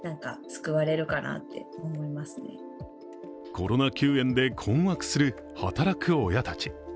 コロナ休園で困惑する働く親たち。